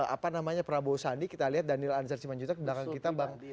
apa namanya prabowo sandi kita lihat daniel anzar simanjuta ke belakang kita bang